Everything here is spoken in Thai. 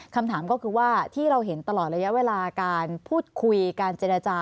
คำถามก็คือว่าที่เราเห็นตลอดระยะเวลาการพูดคุยการเจรจา